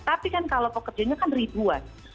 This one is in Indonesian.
tapi kan kalau pekerjanya kan ribuan